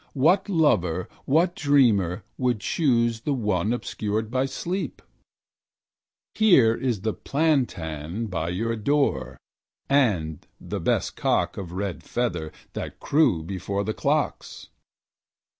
What lover, what dreamer, would choose The one obscured by sleep? Here is the plantain by your door And the best cock of red feather That crew before the clocks.